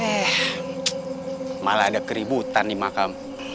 eh malah ada keributan di makam